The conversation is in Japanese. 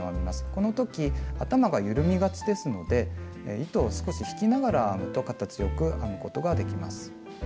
この時頭が緩みがちですので糸を少し引きながら編むと形よく編むことができます。